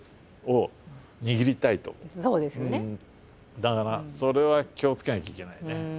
だからそれは気をつけなきゃいけないね。